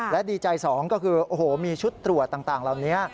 และดีใจสองก็คือโอ้โหมีชุดตรวจต่างเหล่านี้